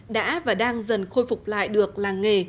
đã và đang dần khôi phục lại được làng nghề